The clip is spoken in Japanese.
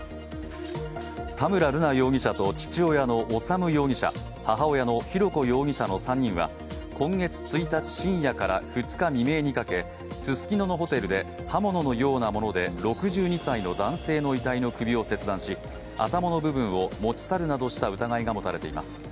田村瑠奈容疑者と父親の修容疑者、母親の浩子容疑者の３人は今月１日深夜から２日未明にかけススキノのホテルで刃物のようなもので６２歳の男性の遺体の首を切断し、頭の部分を持ち去るなどした疑いが持たれています。